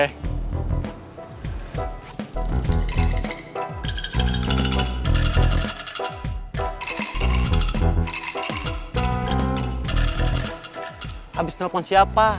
habis telpon siapa